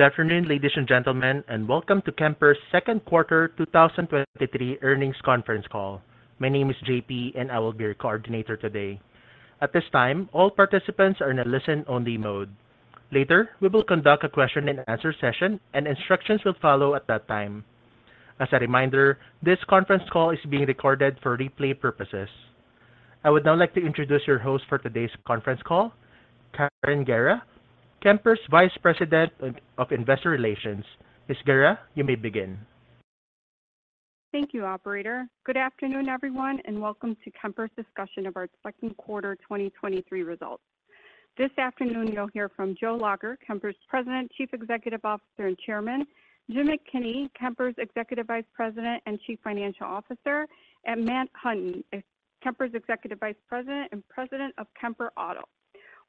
Good afternoon, ladies and gentlemen, and Welcome to Kemper's Second Quarter 2023 Earnings Conference Call. My name is J.P., and I will be your coordinator today. At this time, all participants are in a listen-only mode. Later, we will conduct a question-and-answer session, and instructions will follow at that time. As a reminder, this conference call is being recorded for replay purposes. I would now like to introduce your host for today's conference call, Karen Guerra, Kemper's Vice President of Investor Relations. Ms. Guerra, you may begin. Thank you, operator. Good afternoon, everyone, and welcome to Kemper's discussion of our second quarter 2023 results. This afternoon, you'll hear from Joe Lacher, Kemper's President, Chief Executive Officer, and Chairman, Jim McKinney, Kemper's Executive Vice President and Chief Financial Officer, and Matt Hunton, Kemper's Executive Vice President and President of Kemper Auto.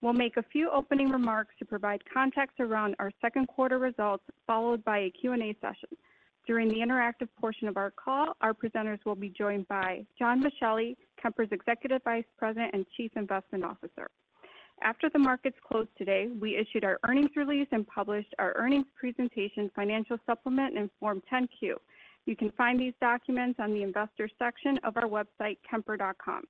We'll make a few opening remarks to provide context around our second quarter results, followed by a Q&A session. During the interactive portion of our call, our presenters will be joined by John Boschelli, Kemper's Executive Vice President and Chief Investment Officer. After the markets closed today, we issued our earnings release and published our earnings presentation, financial supplement in Form 10-Q. You can find these documents on the investor section of our website, kemper.com.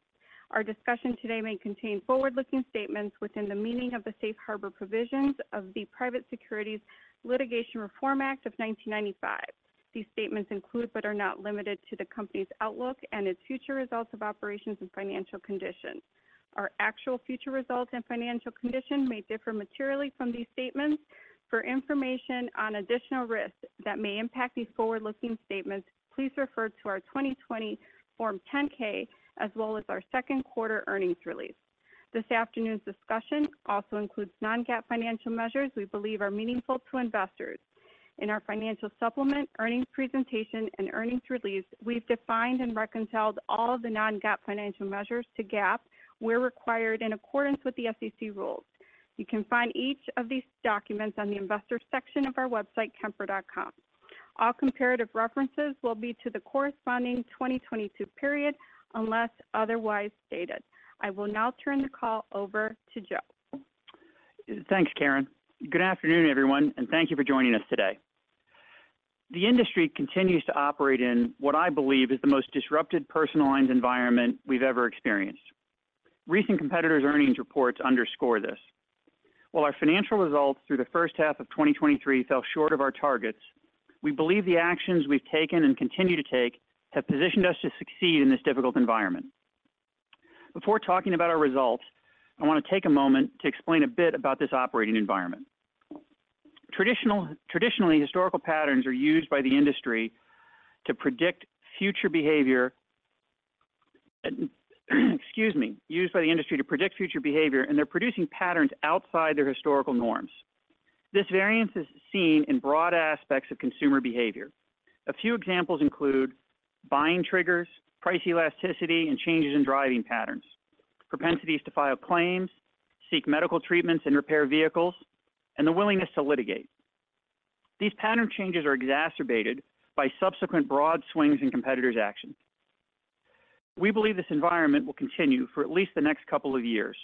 Our discussion today may contain forward-looking statements within the meaning of the Safe Harbor Provisions of the Private Securities Litigation Reform Act of 1995. These statements include, but are not limited to, the company's outlook and its future results of operations and financial conditions. Our actual future results and financial condition may differ materially from these statements. For information on additional risks that may impact these forward-looking statements, please refer to our 2020 Form 10-K, as well as our second quarter earnings release. This afternoon's discussion also includes non-GAAP financial measures we believe are meaningful to investors. In our financial supplement, earnings presentation and earnings release, we've defined and reconciled all of the non-GAAP financial measures to GAAP where required in accordance with the SEC rules. You can find each of these documents on the investor section of our website, kemper.com. All comparative references will be to the corresponding 2022 period, unless otherwise stated. I will now turn the call over to Joe. Thanks, Karen Good afternoon everyone, thank you for joining us today. The industry continues to operate in what I believe is the Most Disrupted Personal Lines Environment we've ever experienced. Recent competitors' earnings reports underscore this. While our financial results through the first half of 2023 fell short of our targets, we believe the actions we've taken and continue to take have positioned us to succeed in this difficult environment. Before talking about our results, I want to take a moment to explain a bit about this operating environment. Traditionally, historical patterns are used by the industry to predict future behavior. Excuse me, used by the industry to predict future behavior, they're producing patterns outside their historical norms. This variance is seen in broad aspects of consumer behavior. A few examples include buying triggers, price elasticity, and changes in driving patterns, propensities to file claims, seek medical treatments and repair vehicles, and the willingness to litigate. These pattern changes are exacerbated by subsequent broad swings in competitors' actions. We believe this environment will continue for at least the next couple of years.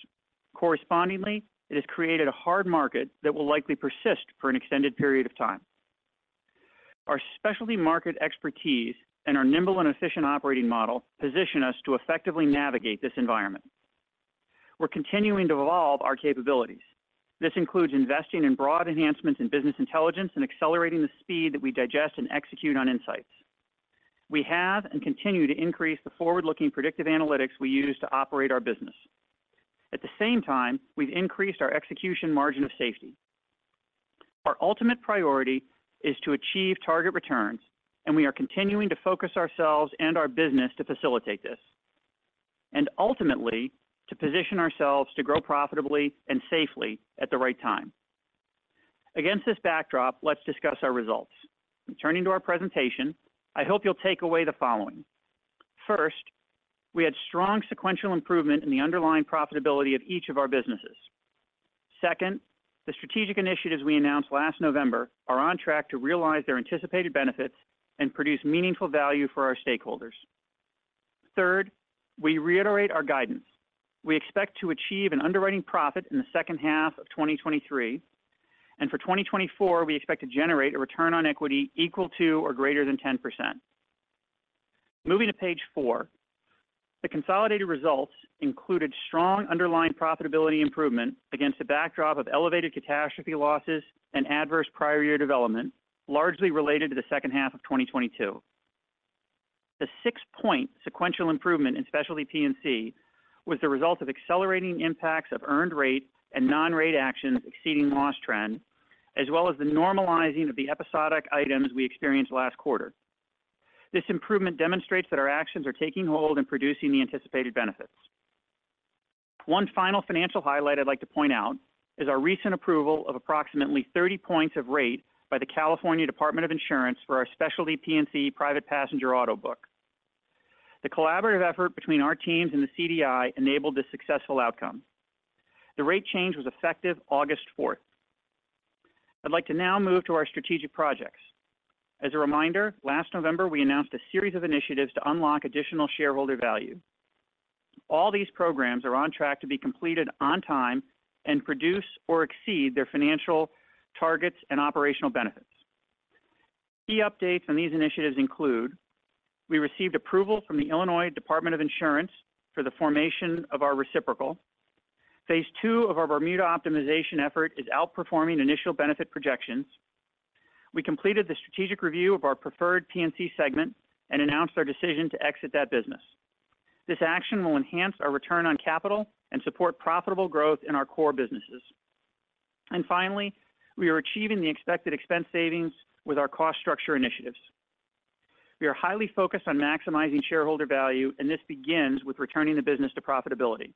Correspondingly, it has created a hard market that will likely persist for an extended period of time. Our specialty market expertise and our nimble and efficient operating model position us to effectively navigate this environment. We're continuing to evolve our capabilities. This includes investing in broad enhancements in business intelligence and accelerating the speed that we digest and execute on insights. We have and continue to increase the forward-looking predictive analytics we use to operate our business. At the same time, we've increased our execution margin of safety. Our ultimate priority is to achieve target returns, and we are continuing to focus ourselves and our business to facilitate this, and ultimately, to position ourselves to grow profitably and safely at the right time. Against this backdrop, let's discuss our results. Turning to our presentation, I hope you'll take away the following: First, we had strong sequential improvement in the underlying profitability of each of our businesses. Second, the strategic initiatives we announced last November are on track to realize their anticipated benefits and produce meaningful value for our stakeholders. Third, we reiterate our guidance. We expect to achieve an underwriting profit in the second half of 2023, and for 2024, we expect to generate a Return On Equity equal to or greater than 10%. Moving to page four. The consolidated results included strong underlying profitability improvement against a backdrop of elevated Catastrophe Losses and adverse prior year development, largely related to the second half of 2022. The six-point sequential improvement in Specialty P&C was the result of accelerating impacts of Earned Rate and non-rate actions exceeding loss trend, as well as the normalizing of the episodic items we experienced last quarter. This improvement demonstrates that our actions are taking hold and producing the anticipated benefits. One final financial highlight I'd like to point out is our recent approval of approximately 30 points of rate by the California Department of Insurance for our Specialty P&C Private Passenger Auto book. The collaborative effort between our teams and the CDI enabled this successful outcome. The rate change was effective August 4th. I'd like to now move to our strategic projects. As a reminder, last November, we announced a series of initiatives to unlock additional shareholder value. All these programs are on track to be completed on time and produce or exceed their financial targets and operational benefits. Key updates on these initiatives include: We received approval from the Illinois Department of Insurance for the formation of our reciprocal. Phase two of our Bermuda Optimization effort is outperforming initial benefit projections. We completed the Strategic Review of our Preferred P&C segment and announced our decision to exit that business. This action will enhance our return on capital and support profitable growth in our core businesses. Finally, we are achieving the expected expense savings with our cost structure initiatives. We are highly focused on maximizing shareholder value, and this begins with returning the business to profitability.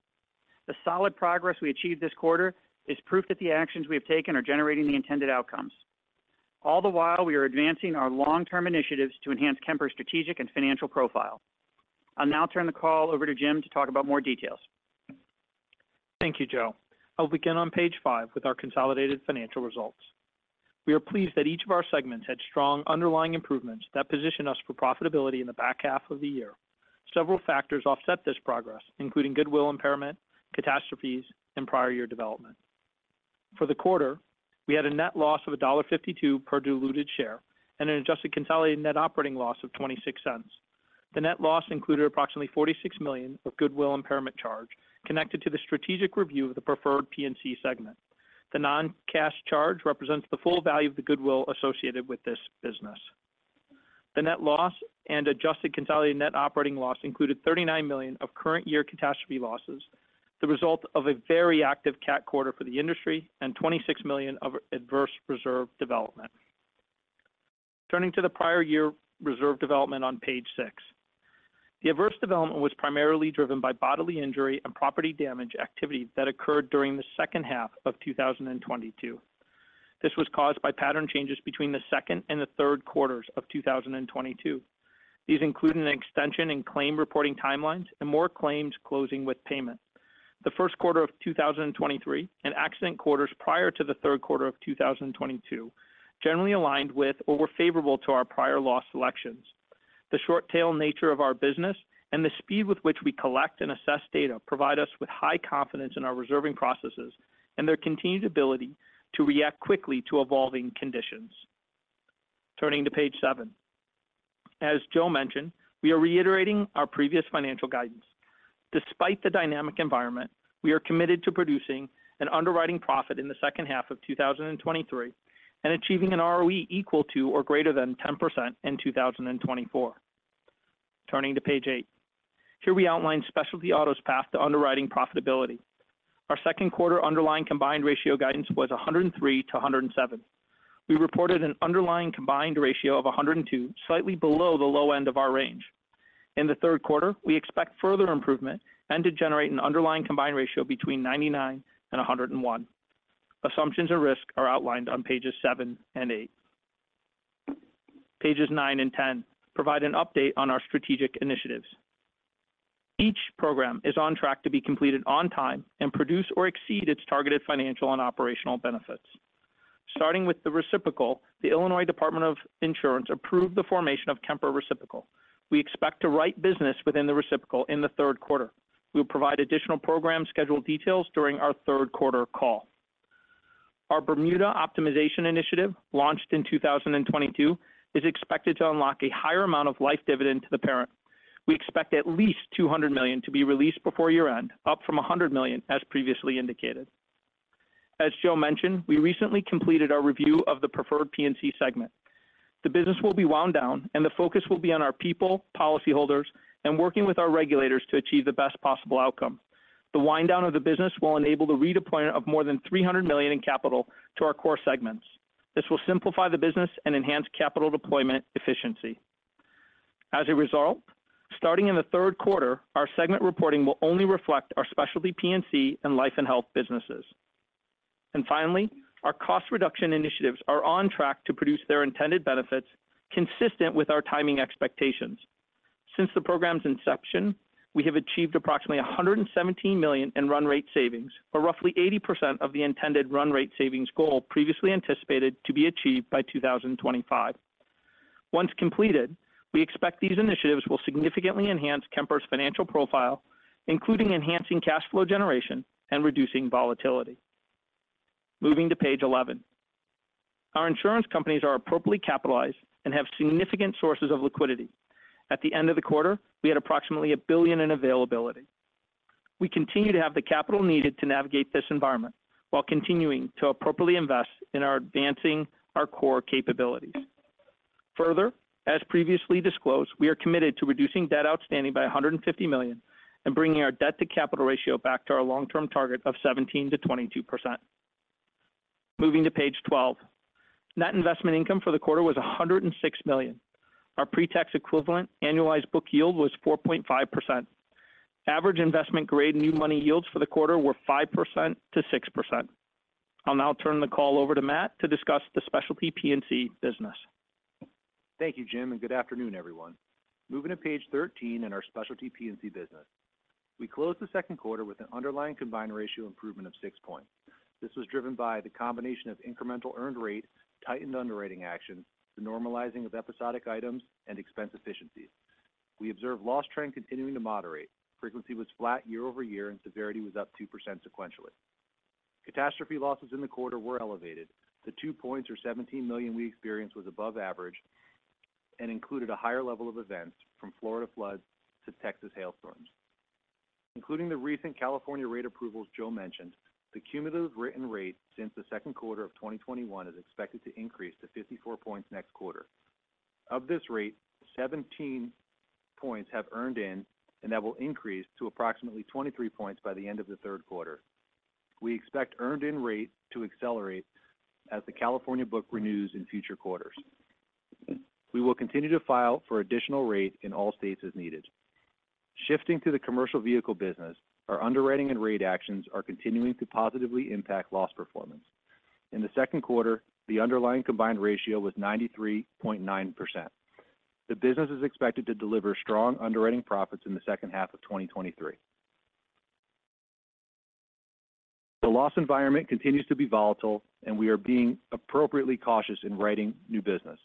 The solid progress we achieved this quarter is proof that the actions we have taken are generating the intended outcomes. All the while, we are advancing our long-term initiatives to enhance Kemper's strategic and financial profile. I'll now turn the call over to Jim to talk about more details. Thank you, Joe I'll begin on page five with our consolidated financial results. We are pleased that each of our segments had strong underlying improvements that position us for profitability in the back half of the year. Several factors offset this progress, including goodwill impairment, catastrophes, and prior year development. For the quarter, we had a net loss of $1.52 per diluted share and an Adjusted Consolidated Net Operating loss of $0.26. The net loss included approximately $46 million of Goodwill Impairment Charge connected to the Strategic Review of the Preferred P&C segment. The non-cash charge represents the full value of the goodwill associated with this business. The net loss and Adjusted Consolidated Net Operating loss included $39 million of current year Catastrophe Losses, the result of a very active CAT Quarter for the industry, and $26 million of Adverse Reserve Development. Turning to the prior year reserve development on page six. The adverse development was primarily driven by bodily injury and property damage activity that occurred during the second half of 2022. This was caused by pattern changes between the second and the third quarters of 2022. These included an extension in claim reporting timelines and more claims closing with payment. The first quarter of 2023 and accident quarters prior to the third quarter of 2022 generally aligned with or were favorable to our prior loss selections. The short tail nature of our business and the speed with which we collect and assess data provide us with high confidence in our reserving processes and their continued ability to react quickly to evolving conditions. Turning to page seven. As Joe mentioned, we are reiterating our previous financial guidance. Despite the dynamic environment, we are committed to producing an underwriting profit in the second half of 2023 and achieving an ROE equal to or greater than 10% in 2024. Turning to page eight, here we outline Specialty Auto's path to underwriting profitability. Our second quarter Underlying Combined Ratio guidance was 103-107. We reported an Underlying Combined Ratio of 102, slightly below the low end of our range. In the third quarter, we expect further improvement and to generate an Underlying Combined Ratio between 99 and 101. Assumptions or risks are outlined on pages seven and eight. Pages nine and 10 provide an update on our strategic initiatives. Each program is on track to be completed on time and produce or exceed its targeted financial and operational benefits. Starting with the reciprocal, the Illinois Department of Insurance approved the formation of Kemper Reciprocal. We expect to write business within the reciprocal in the third quarter. We'll provide additional program schedule details during our third quarter call. Our Bermuda Optimization initiative, launched in 2022, is expected to unlock a higher amount of life dividend to the parent. We expect at least $200 million to be released before year-end, up from $100 million, as previously indicated. As Joe mentioned, we recently completed our review of the Preferred P&C segment. The business will be wound down, the focus will be on our people, policyholders, and working with our regulators to achieve the best possible outcome. The Wind-down of the business will enable the redeployment of more than $300 million in capital to our core segments. This will simplify the business and enhance capital deployment efficiency. As a result, starting in the third quarter, our segment reporting will only reflect our Specialty P&C and life and health businesses. Finally, our cost reduction initiatives are on track to produce their intended benefits, consistent with our timing expectations. Since the program's inception, we have achieved approximately $117 million in run rate savings, or roughly 80% of the intended run rate savings goal previously anticipated to be achieved by 2025. Once completed, we expect these initiatives will significantly enhance Kemper's financial profile, including enhancing cash flow generation and reducing volatility. Moving to page 11. Our insurance companies are appropriately capitalized and have significant sources of liquidity. At the end of the quarter, we had approximately a billion in availability. We continue to have the capital needed to navigate this environment while continuing to appropriately invest in our advancing our core capabilities. Further, as previously disclosed, we are committed to reducing debt outstanding by $150 million and bringing our debt-to-capital ratio back to our long-term target of 17%-22%. Moving to page 12. Net investment income for the quarter was $106 million. Our pre-tax equivalent annualized book yield was 4.5%. Average investment grade new money yields for the quarter were 5%-6%. I'll now turn the call over to Matt to discuss the Specialty P&C business. Thank you, Jim and good afternoon, everyone. Moving to page 13 in our Specialty P&C business. We closed the second quarter with an Underlying Combined Ratio improvement of six points. This was driven by the combination of incremental Earned Rate, tightened underwriting actions, the normalizing of episodic items, and expense efficiencies. We observed loss trend continuing to moderate. Frequency was flat year-over-year, and severity was up 2% sequentially. Catastrophe Losses in the quarter were elevated. The two points or $17 million we experienced was above average and included a higher level of events from Florida floods to Texas hailstorms. Including the recent California rate approvals Joe mentioned, the Cumulative Written Rate since the second quarter of 2021 is expected to increase to 54 points next quarter. Of this rate, 17 points have earned in, and that will increase to approximately 23 points by the end of the third quarter. We expect earned in rate to accelerate as the California book renews in future quarters. We will continue to file for additional rate in all states as needed. Shifting to the commercial vehicle business, our underwriting and rate actions are continuing to positively impact loss performance. In the second quarter, the Underlying Combined Ratio was 93.9%. The business is expected to deliver strong underwriting profits in the second half of 2023. The loss environment continues to be volatile, and we are being appropriately cautious in writing new business.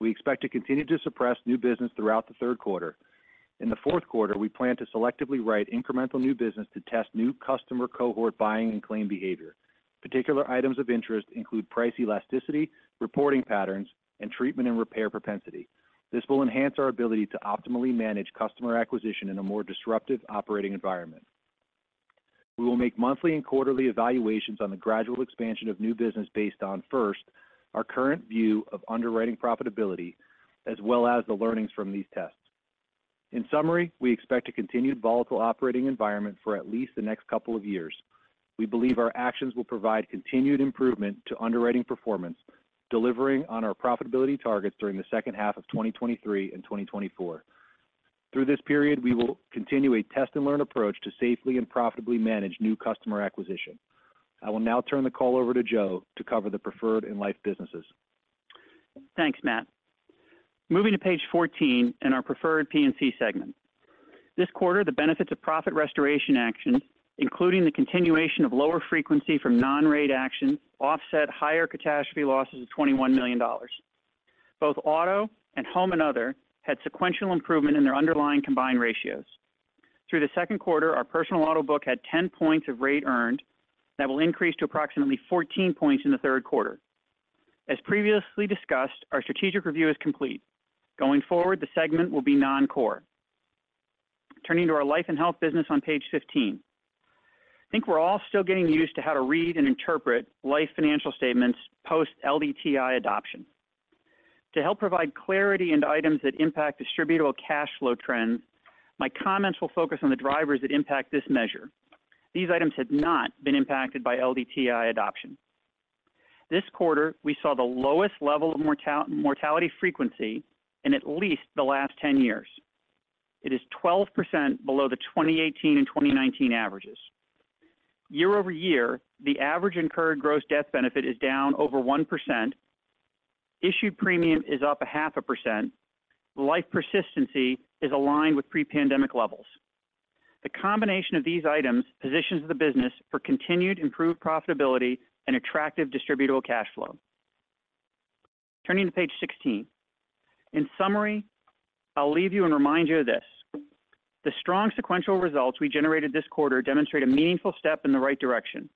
We expect to continue to suppress new business throughout the third quarter. In the fourth quarter, we plan to selectively write incremental new business to test new customer cohort buying and claim behavior. Particular items of interest include price elasticity, reporting patterns, and treatment and repair propensity. This will enhance our ability to optimally manage customer acquisition in a more disruptive operating environment. We will make monthly and quarterly evaluations on the gradual expansion of new business based on, first, our current view of underwriting profitability, as well as the learnings from these tests. In summary, we expect a continued volatile operating environment for at least the next couple of years. We believe our actions will provide continued improvement to underwriting performance, delivering on our profitability targets during the second half of 2023 and 2024. Through this period, we will continue a test-and-learn approach to safely and profitably manage new customer acquisition. I will now turn the call over to Joe to cover the preferred and life businesses. Thanks, Matt moving to page 14 in our Preferred P&C segment. This quarter, the benefits of profit restoration actions, including the continuation of lower frequency from non-rate actions, offset higher Catastrophe Losses of $21 million. Both auto and home and other had sequential improvement in their Underlying Combined Ratios. Through the second quarter, our personal auto book had 10 points of rate earned. That will increase to approximately 14 points in the third quarter. As previously discussed, our Strategic Review is complete. Going forward, the segment will be non-core. Turning to our life and health business on page 15. I think we're all still getting used to how to read and interpret life financial statements post-LDTI adoption. To help provide clarity into items that impact distributable cash flow trends, my comments will focus on the drivers that impact this measure. These items have not been impacted by LDTI adoption. This quarter, we saw the lowest level of mortality frequency in at least the last 10 years. It is 12% below the 2018 and 2019 averages. Year-over-year, the average incurred gross death benefit is down over 1%, issued premium is up 0.5%, life persistency is aligned with pre-pandemic levels. The combination of these items positions the business for continued improved profitability and attractive distributable cash flow. Turning to page 16. In summary, I'll leave you and remind you of this: The strong sequential results we generated this quarter demonstrate a meaningful step in the right direction.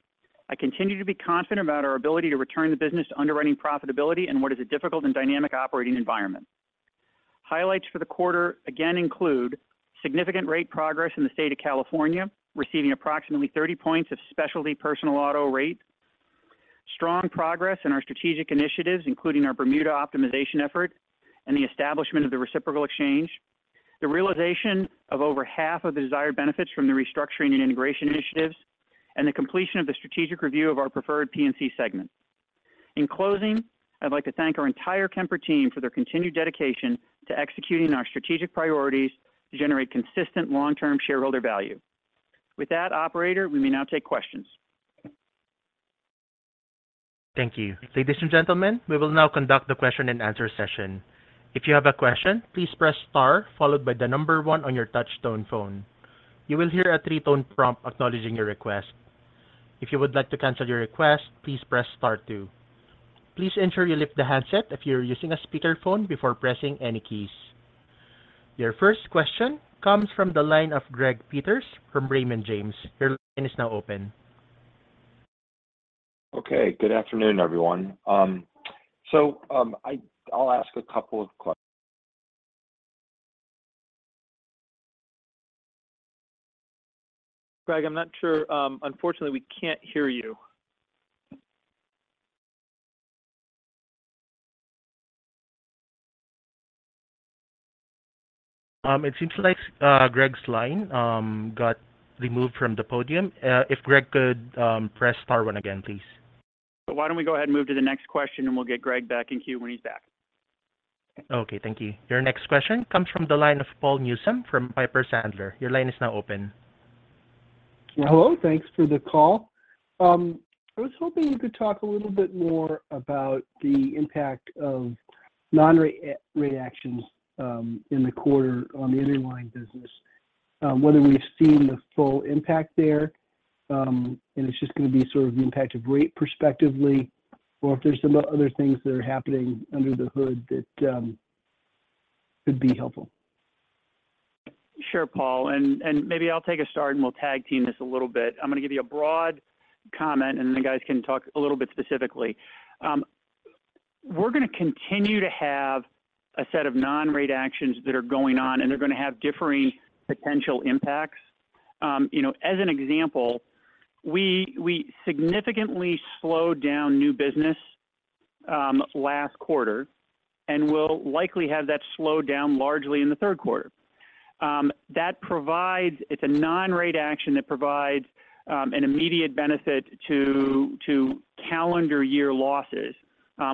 I continue to be confident about our ability to return the business to underwriting profitability in what is a difficult and dynamic operating environment. Highlights for the quarter again include significant rate progress in the state of California, receiving approximately 30 points of specialty personal auto rate, strong progress in our strategic initiatives, including our Bermuda Optimization effort and the establishment of the reciprocal exchange, the realization of over half of the desired benefits from the restructuring and integration initiatives, and the completion of the Strategic Review of our Preferred P&C segment. In closing, I'd like to thank our entire Kemper team for their continued dedication to executing our strategic priorities to generate consistent long-term shareholder value. With that, operator, we may now take questions. Thank you. Ladies and gentlemen, we will now conduct the question-and-answer session. If you have a question, please press star, followed by number one on your touchtone phone. You will hear a three tone prompt acknowledging your request. If you would like to cancel your request, please press star two. Please ensure you lift the handset if you're using a speakerphone before pressing any keys. Your first question comes from the line of Greg Peters from Raymond James. Your line is now open. Okay, good afternoon everyone. I'll ask a couple of. Greg I'm not sure. Unfortunately, we can't hear you. It seems like Greg's line got removed from the podium. If Greg could, press star one again, please. Why don't we go ahead and move to the next question, and we'll get Greg back in queue when he's back. Okay, thank you. Your next question comes from the line of Paul Newsome from Piper Sandler. Your line is now open. Hello, thanks for the call. I was hoping you could talk a little bit more about the impact of reactions, in the quarter on the underlying business, whether we've seen the full impact there, and it's just going to be sort of the impact of rate perspectively, or if there's some other things that are happening under the hood that would be helpful. Sure, Paul maybe I'll take a start, and we'll tag team this a little bit. I'm going to give you a broad comment, and then the guys can talk a little bit specifically. We're going to continue to have a set of non-rate actions that are going on, and they're going to have differing potential impacts. You know, as an example, we, we significantly slowed down new business last quarter, and we'll likely have that slowed down largely in the third quarter. It's a non-rate action that provides an immediate benefit to calendar year losses.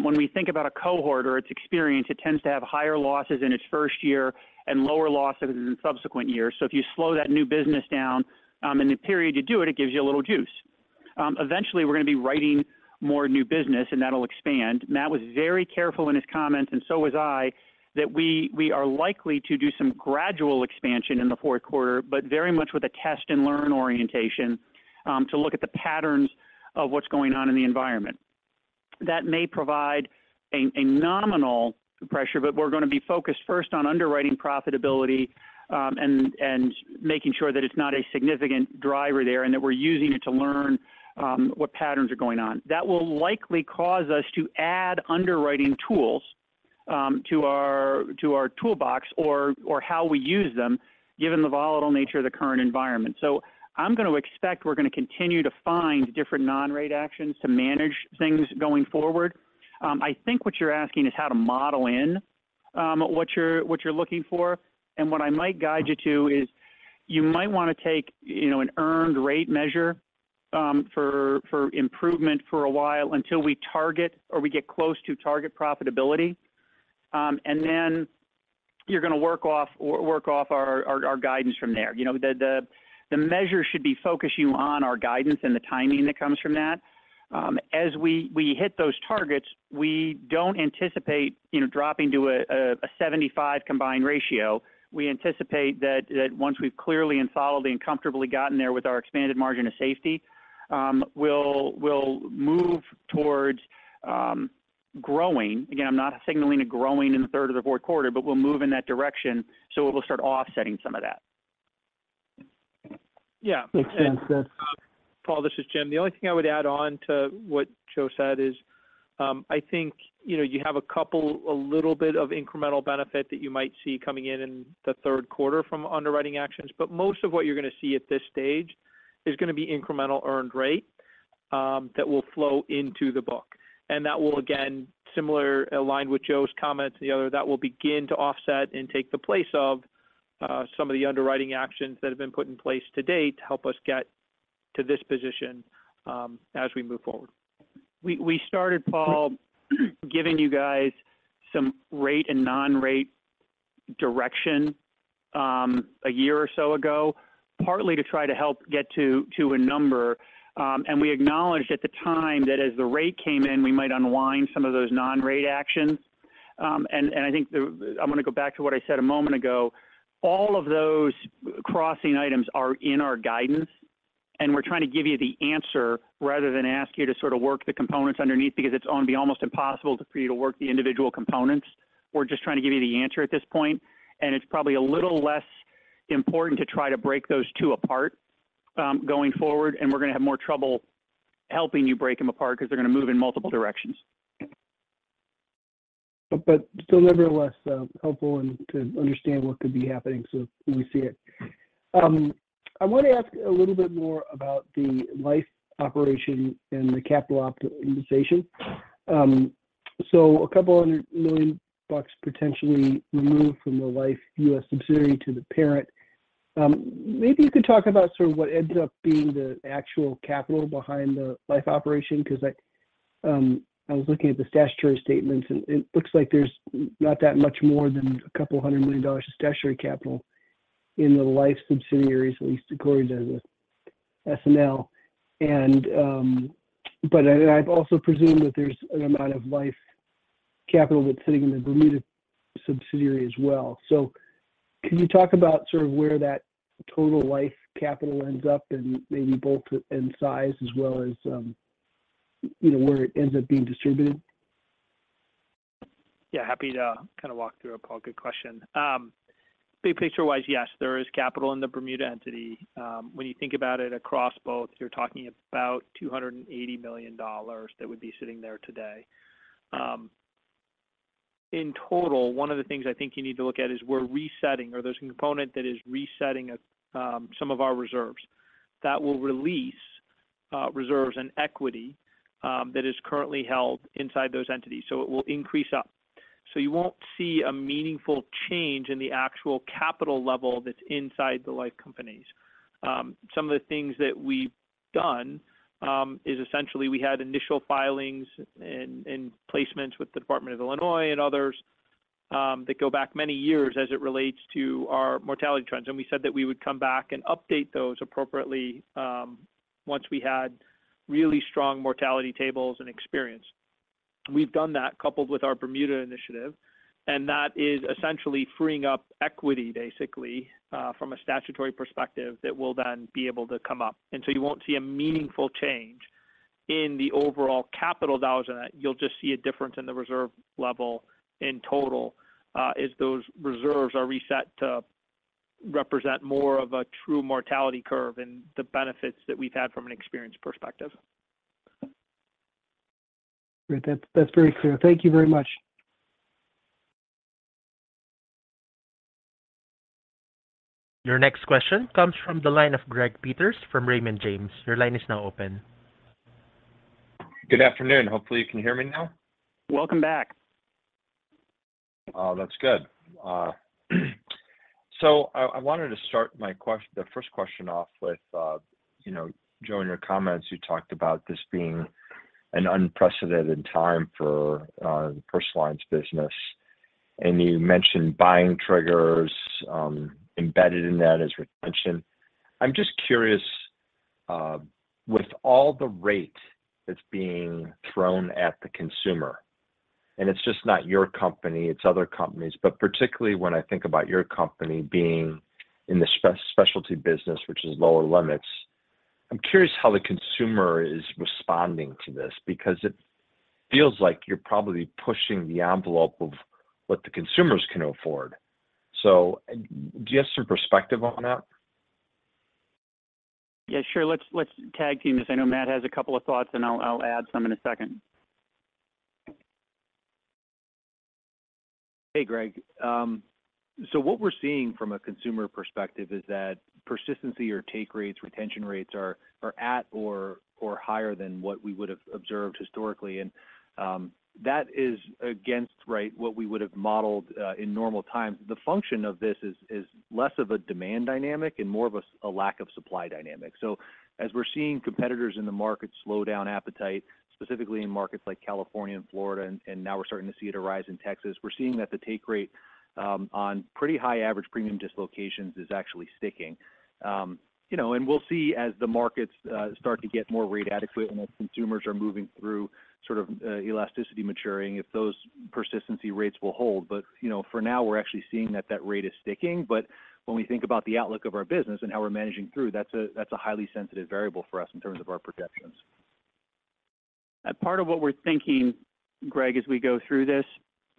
When we think about a cohort or its experience, it tends to have higher losses in its first year and lower losses in subsequent years. If you slow that new business down, in the period you do it, it gives you a little juice. Eventually, we're going to be writing more new business, and that'll expand. Matt was very careful in his comments, and so was I, that we, we are likely to do some gradual expansion in the fourth quarter, but very much with a test-and-learn orientation, to look at the patterns of what's going on in the environment. That may provide a, a nominal pressure, but we're going to be focused first on underwriting profitability, and, and making sure that it's not a significant driver there, and that we're using it to learn, what patterns are going on. That will likely cause us to add underwriting tools, to our toolbox or, or how we use them, given the volatile nature of the current environment. I'm going to expect we're going to continue to find different non-rate actions to manage things going forward. I think what you're asking is how to model in what you're, what you're looking for. What I might guide you to is you might want to take, you know, an Earned Rate measure for, for improvement for a while until we target or we get close to target profitability. And then you're going to work off, work off our, our, our guidance from there. You know, the, the, the measure should be focusing you on our guidance and the timing that comes from that. As we, we hit those targets, we don't anticipate, you know, dropping to a 75 combined ratio. We anticipate that, that once we've clearly and solidly and comfortably gotten there with our expanded margin of safety, we'll, we'll move towards, growing. Again, I'm not signaling a growing in the third or the fourth quarter, but we'll move in that direction, so it will start offsetting some of that. Yeah. Makes sense, yes. Paul, this is Jim the only thing I would add on to what Joe said is, I think, you know, you have a couple, a little bit of incremental benefit that you might see coming in in the third quarter from underwriting actions, but most of what you're going to see at this stage is going to be incremental Earned Rate, that will flow into the book. And that will, again, similar, aligned with Joe's comments, the other, that will begin to offset and take the place of, some of the underwriting actions that have been put in place to date to help us get to this position, as we move forward. We, we started, Paul giving you guys some rate and non-rate direction, a year or so ago, partly to try to help get to, to a number. We acknowledged at the time that as the rate came in, we might unwind some of those non-rate actions. I think I'm going to go back to what I said a moment ago, all of those crossing items are in our guidance, and we're trying to give you the answer rather than ask you to sort of work the components underneath because it's going to be almost impossible for you to work the individual components. We're just trying to give you the answer at this point, and it's probably a little less important to try to break those two apart, going forward, and we're going to have more trouble helping you break them apart because they're going to move in multiple directions. Still, nevertheless helpful and to understand what could be happening so we see it. I want to ask a little bit more about the life operation and the capital optimization. So a couple hundred million potentially removed from the life U.S. subsidiary to the parent. Maybe you could talk about sort of what ends up being the actual capital behind the life operation, because, like, I was looking at the statutory statements, and it looks like there's not that much more than a couple hundred million dollars of statutory capital in the life subsidiaries, at least according to the SNL. I've also presumed that there's an amount of life capital that's sitting in the Bermuda subsidiary as well. Can you talk about sort of where that total life capital ends up, and maybe both in size as well as, you know, where it ends up being distributed? Yeah, happy to kind of walk through it Paul. Good question. Big picture-wise, yes there is capital in the Bermuda entity. When you think about it across both, you're talking about $280 million that would be sitting there today. In total, one of the things I think you need to look at is we're resetting or there's a component that is resetting some of our reserves. That will release reserves and equity that is currently held inside those entities, so it will increase up. You won't see a meaningful change in the actual capital level that's inside the life companies. Some of the things that we've done is essentially we had initial filings and, and placements with the Illinois Department of Insurance and others that go back many years as it relates to our mortality trends. We said that we would come back and update those appropriately, once we had really strong mortality tables and experience. We've done that, coupled with our Bermuda initiative, and that is essentially freeing up equity, basically, from a statutory perspective that will then be able to come up. So you won't see a meaningful change in the overall capital dollars in that. You'll just see a difference in the reserve level in total, as those reserves are reset to represent more of a true mortality curve and the benefits that we've had from an experience perspective. Great. That's, that's very clear. Thank you very much. Your next question comes from the line of Greg Peters from Raymond James. Your line is now open. Good afternoon. Hopefully you can hear me now. Welcome back. Oh, that's good. So I wanted to start my the first question off with, you know, Joe, in your comments, you talked about this being an unprecedented time for personal lines business, and you mentioned buying triggers, embedded in that as retention. I'm just curious, with all the rate that's being thrown at the consumer, and it's just not your company, it's other companies, but particularly when I think about your company being in the Specialty business, which is lower limits, I'm curious how the consumer is responding to this, because it feels like you're probably pushing the envelope of what the consumers can afford. Do you have some perspective on that? Yeah, sure. Let's tag team this. I know Matt has a couple of thoughts, and I'll, I'll add some in a second. Hey, Greg so what we're seeing from a consumer perspective is that persistency or take rates, retention rates are at or higher than what we would have observed historically. That is against, right, what we would have modeled in normal times. The function of this is less of a demand dynamic and more of a lack of supply dynamic. As we're seeing competitors in the market slow down appetite, specifically in markets like California and Florida, and now we're starting to see it arise in Texas, we're seeing that the take rate on pretty high average premium dislocations is actually sticking. You know, we'll see as the markets start to get more rate adequate and as consumers are moving through sort of elasticity maturing, if those persistency rates will hold. You know, for now, we're actually seeing that that rate is sticking. When we think about the outlook of our business and how we're managing through, that's a highly sensitive variable for us in terms of our projections. Part of what we're thinking, Greg, as we go through this,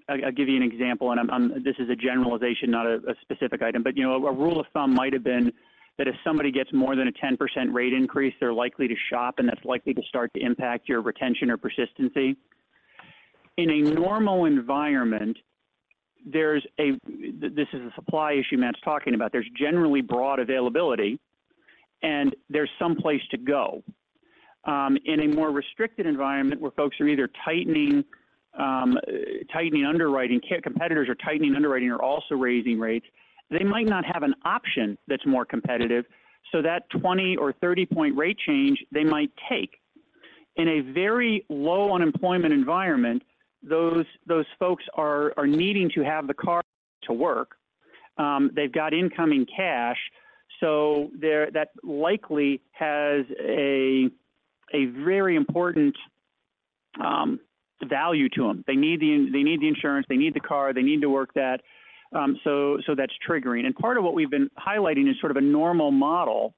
I'll give you an example, and I'm this is a generalization, not a, a specific item. You know, a rule of thumb might have been that if somebody gets more than a 10% rate increase, they're likely to shop, and that's likely to start to impact your retention or persistency. In a normal environment, there's a, this is a supply issue Matt's talking about. There's generally broad availability, and there's someplace to go. In a more restricted environment, where folks are either tightening, tightening underwriting, competitors are tightening underwriting or also raising rates, they might not have an option that's more competitive, so that 20 or 30-point rate change, they might take. In a very low unemployment environment, those, those folks are, are needing to have the car to work. They've got incoming cash, so they're-- that likely has a very important value to them. They need the in- they need the insurance, they need the car, they need to work that, so that's triggering. Part of what we've been highlighting is sort of a normal model.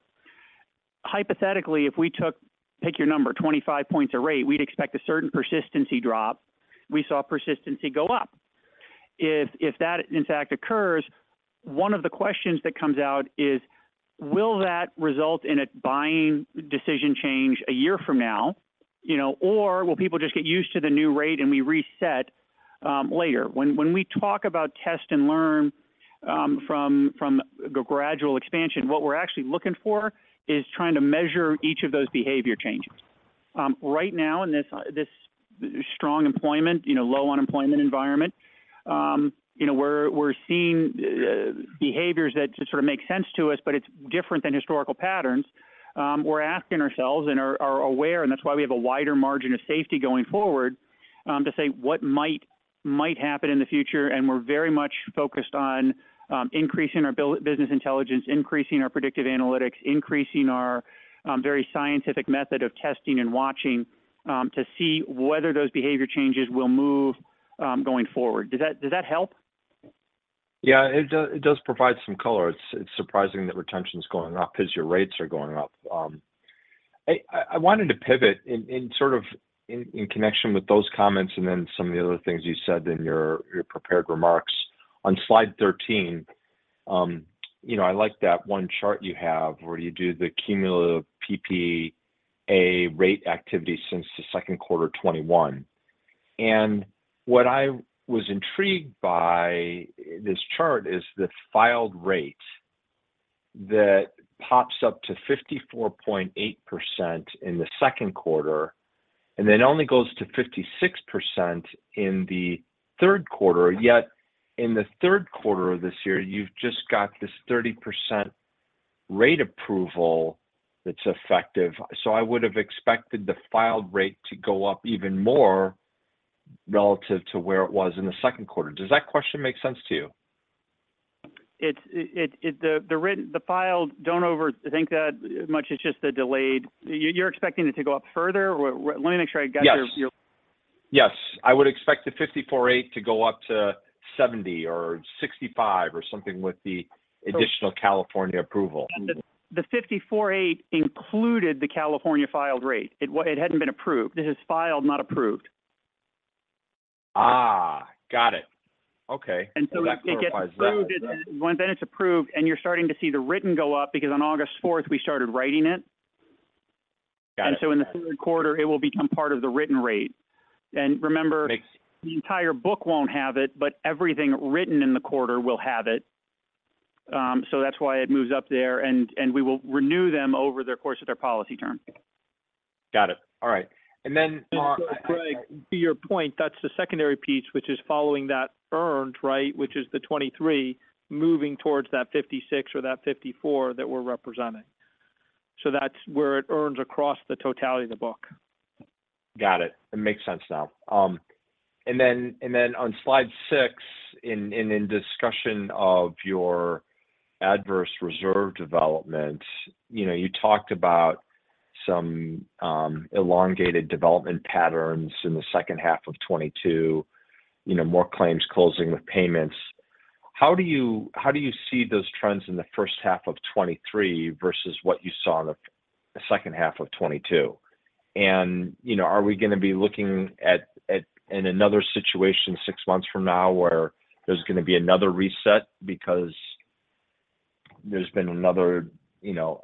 Hypothetically, if we took, pick your number, 25 points a rate, we'd expect a certain persistency drop. We saw persistency go up. If that, in fact, occurs, one of the questions that comes out is: Will that result in a buying decision change a year from now, you know, or will people just get used to the new rate, and we reset later? When we talk about test and learn, from a gradual expansion, what we're actually looking for is trying to measure each of those behavior changes. Right now, in this, this, strong employment, you know, low unemployment environment, you know, we're, we're seeing, behaviors that just sort of make sense to us, but it's different than historical patterns. We're asking ourselves and are, are aware, and that's why we have a wider margin of safety going forward, to say what might, might happen in the future. We're very much focused on, increasing our bill- business intelligence, increasing our predictive analytics, increasing our, very scientific method of testing and watching, to see whether those behavior changes will move, going forward. Does that, does that help? Yeah, it does provide some color. It's surprising that retention is going up as your rates are going up. I, I wanted to pivot in, in sort of in, in connection with those comments and then some of the other things you said in your, your prepared remarks. On slide 13, you know, I like that one chart you have where you do the cumulative PPA rate activity since the second quarter 2021. What I was intrigued by this chart is the filed rate that pops up to 54.8% in the second quarter, and then only goes to 56% in the third quarter. Yet, in the third quarter of this year, you've just got this 30% rate approval that's effective. I would have expected the filed rate to go up even more relative to where it was in the second quarter. Does that question make sense to you? It's the written the filed, don't overthink that much. It's just the delayed. You, you're expecting it to go up further? Let me make sure I got your- Yes. Yes, I would expect the 54.8 to go up to 70 or 65 or something with the additional California approval. The 54.8 included the California filed rate. It hadn't been approved. It is filed, not approved. Ah, got it! Okay. It gets approved. That clarifies that. Once it's approved, and you're starting to see the written go up, because on August 4th, we started writing it. Got it. So in the 3rd quarter, it will become part of the written rate. Remember. Makes- the entire book won't have it, but everything written in the quarter will have it. That's why it moves up there, and we will renew them over the course of their policy term. Got it. All right, then. Greg Peters- To your point, that's the secondary piece, which is following that earned, right? Which is the 23 moving towards that 56 or that 54 that we're representing. That's where it earns across the totality of the book. Got it. It makes sense now, on slide six, in discussion of your Adverse Reserve Development, you know, you talked about some elongated development patterns in the second half of 2022, you know, more claims closing with payments. How do you, how do you see those trends in the first half of 2023 versus what you saw in the second half of 2022? you know, are we going to be looking at, in another situation 6 months from now, where there's going to be another reset because there's been another, you know,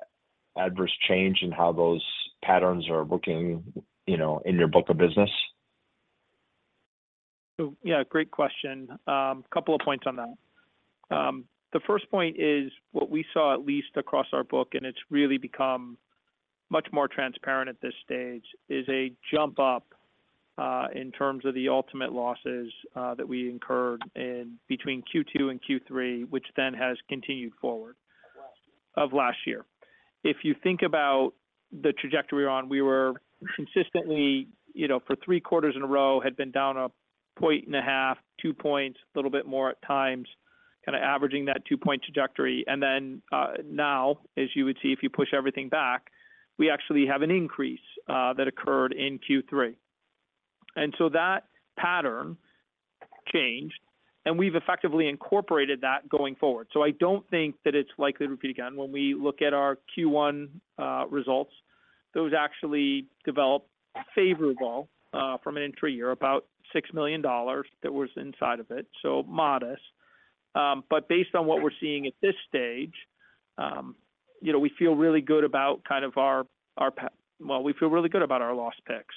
adverse change in how those patterns are looking, you know, in your book of business? Yeah, great question couple of points on that. The first point is, what we saw, at least across our book, and it's really become much more transparent at this stage, is a jump up, in terms of the ultimate losses, that we incurred in between Q2 and Q3, which then has continued forward... Of last year. Of last year. If you think about the trajectory we're on, we were consistently, you know, for three quarters in a row, had been down 1.5 points, 2 points, a little bit more at times, kind of averaging that 2-point trajectory. Now, as you would see, if you push everything back, we actually have an increase that occurred in Q3. That pattern changed, and we've effectively incorporated that going forward. I don't think that it's likely to repeat again. When we look at our Q1 results, those actually developed favorable from an entry year, about $6 million that was inside of it, so modest. Based on what we're seeing at this stage, you know, Well, we feel really good about our loss picks.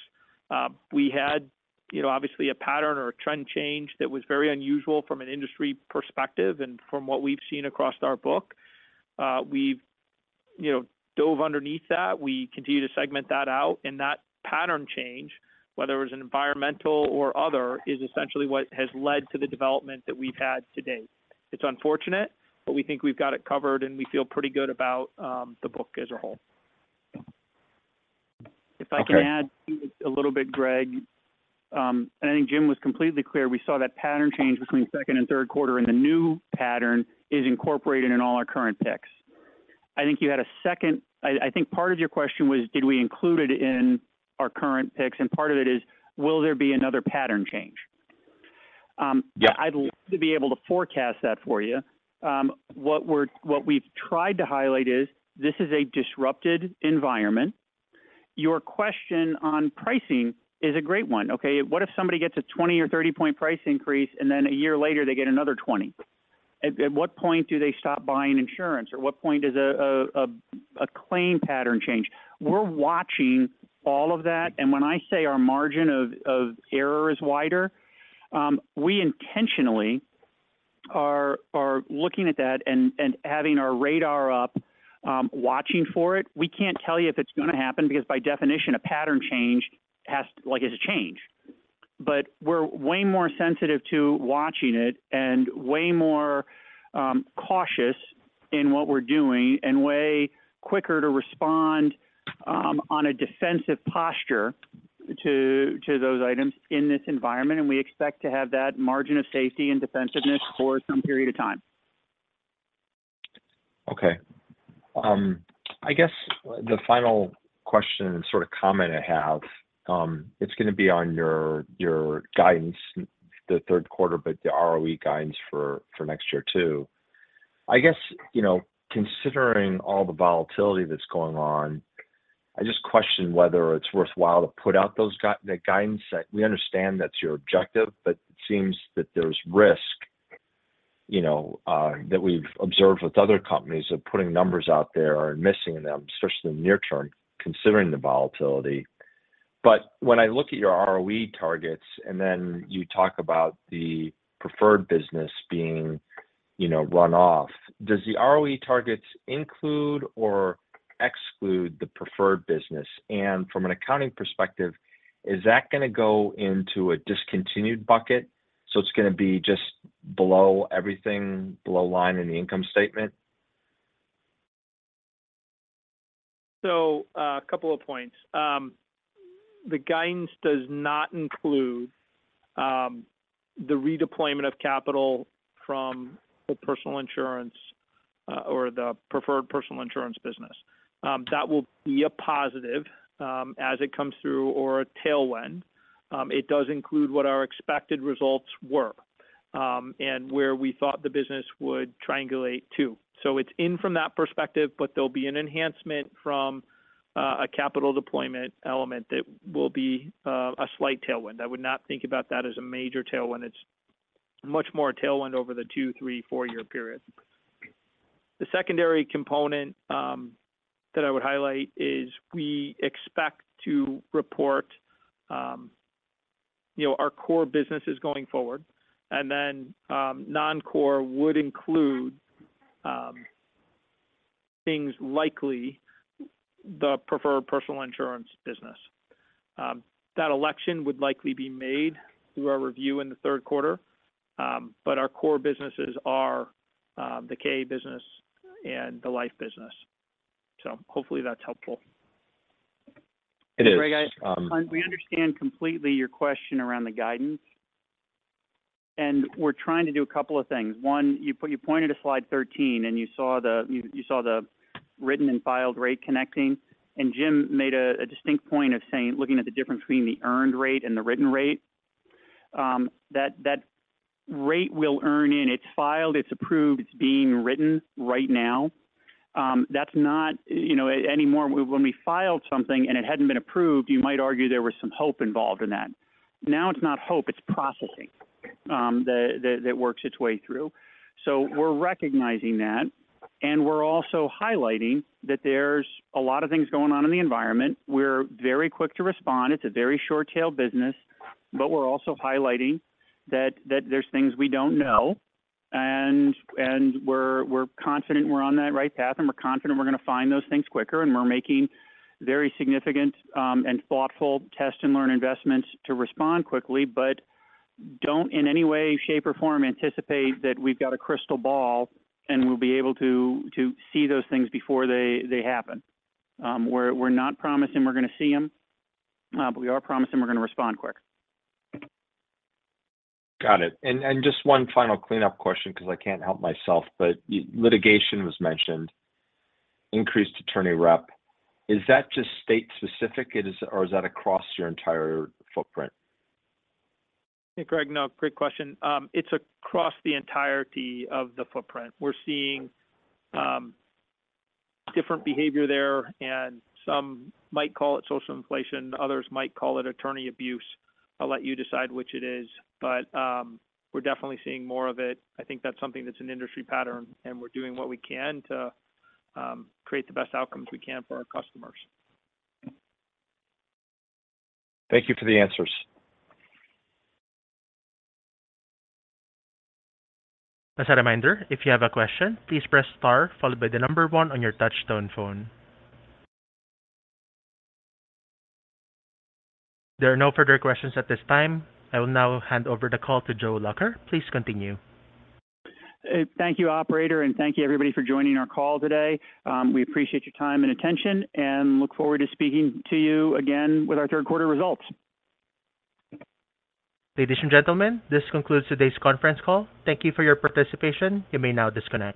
We had, you know, obviously, a pattern or a trend change that was very unusual from an industry perspective and from what we've seen across our book. We've, you know, dove underneath that. We continue to segment that out, and that pattern change, whether it was environmental or other, is essentially what has led to the development that we've had to date. It's unfortunate, but we think we've got it covered, and we feel pretty good about the book as a whole. Okay. If I can add a little bit, Greg. I think Jim was completely clear. We saw that pattern change between second and third quarter. The new pattern is incorporated in all our current picks. I think part of your question was, did we include it in our current picks? Part of it is, will there be another pattern change? Yeah. I'd love to be able to forecast that for you. What we've tried to highlight is, this is a disrupted environment. Your question on pricing is a great one. Okay, what if somebody gets a 20 or 30 point price increase, and then a year later, they get another 20? What point do they stop buying insurance, or what point does a claim pattern change? We're watching all of that, and when I say our margin of, of error is wider, we intentionally are, are looking at that and, and having our radar up, watching for it. We can't tell you if it's going to happen, because by definition, a pattern change like, it's a change. We're way more sensitive to watching it and way more cautious in what we're doing and way quicker to respond, on a defensive posture to those items in this environment, and we expect to have that margin of safety and defensiveness for some period of time. Okay. I guess the final question and sort of comment I have, it's going to be on your, your guidance, the third quarter, but the ROE guidance for next year too. I guess, you know, considering all the volatility that's going on, I just question whether it's worthwhile to put out those that guidance set. We understand that's your objective, but it seems that there's risk, you know, that we've observed with other companies of putting numbers out there and missing them, especially in the near term, considering the volatility. When I look at your ROE targets, and then you talk about the preferred business being, you know, run off, does the ROE targets include or exclude the preferred business? From an accounting perspective, is that going to go into a discontinued bucket, so it's going to be just below everything, below line in the income statement? A couple of points. The guidance does not include the redeployment of capital from the personal insurance or the preferred personal insurance business. That will be a positive as it comes through or a tailwind. It does include what our expected results were and where we thought the business would triangulate to. It's in from that perspective, but there'll be an enhancement from a capital deployment element that will be a slight tailwind. I would not think about that as a major tailwind. It's much more a tailwind over the two, three, four-year period. The secondary component that I would highlight is we expect to report, you know, our core businesses going forward, and then non-core would include things likely the preferred personal insurance business. That election would likely be made through our review in the third quarter, but our core businesses are the KA business and the life business. Hopefully that's helpful. It is. Hey guys we understand completely your question around the guidance. We're trying to do a couple of things. One you, you pointed to slide 13, and you saw the you saw the written and filed rate connecting. Jim made a, a distinct point of saying, looking at the difference between the Earned Rate and the written rate, that, that rate will earn in. It's filed, it's approved, it's being written right now. That's not, you know, anymore. When we filed something and it hadn't been approved, you might argue there was some hope involved in that. Now, it's not hope, it's processing, that, that, that works its way through. We're recognizing that, and we're also highlighting that there's a lot of things going on in the environment. We're very quick to respond. It's a very short-tail business, but we're also highlighting that, that there's things we don't know, and, and we're, we're confident we're on that right path, and we're confident we're going to find those things quicker, and we're making very significant and thoughtful test-and-learn investments to respond quickly. Don't in any way, shape, or form anticipate that we've got a crystal ball and we'll be able to, to see those things before they, they happen. We're, we're not promising we're going to see them, but we are promising we're going to respond quick. Got it. Just one final cleanup question, because I can't help myself, but litigation was mentioned, increased attorney rep. Is that just state specific, it is, or is that across your entire footprint? Hey, Greg no great question. It's across the entirety of the footprint. We're seeing, different behavior there, and some might call it social inflation, others might call it attorney abuse. I'll let you decide which it is, but, we're definitely seeing more of it. I think that's something that's an industry pattern, and we're doing what we can to create the best outcomes we can for our customers. Thank you for the answers. As a reminder, if you have a question, please press star, followed by one on your touchtone phone. There are no further questions at this time. I will now hand over the call to Joe Lacher. Please continue. Thank you operator, and thank you, everybody, for joining our call today. We appreciate your time and attention, and look forward to speaking to you again with our third quarter results. Ladies and gentlemen, this concludes today's conference call. Thank you for your participation. You may now disconnect.